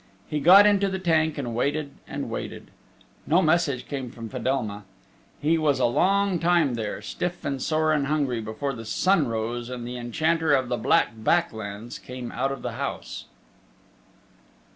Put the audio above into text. He got into the tank and waited and waited. No message came from Fedelma. He was a long time there, stiff and sore and hungry, before the sun rose and the Enchanter of the Black Back Lands came out of the house.